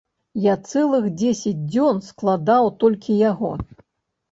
Я цэлых дзесяць дзён складаў толькі яго.